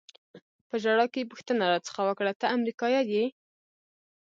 په ژړا کې یې پوښتنه را څخه وکړه: ته امریکایي یې؟